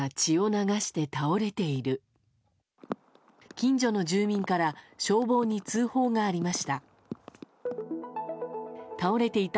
近所の住民から消防に通報がありました。